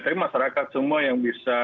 tapi masyarakat semua yang bisa